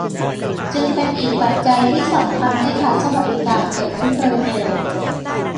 จึงเป็นอีกปัจจัยที่สำคัญให้รัฐสวัสดิการเกิดขึ้นโดยเร็ว